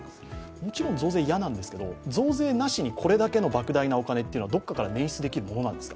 もちろん増税は嫌なんですけど増税なしにこれだけのばく大なお金というのはどこかから捻出できるものなんですか？